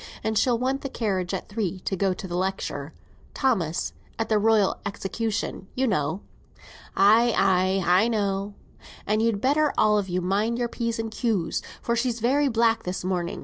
And she'll want the carriage at three to go to the lecture, Thomas; at the Royal Execution, you know." "Ay, ay, I know." "And you'd better all of you mind your P's and Q's, for she's very black this morning.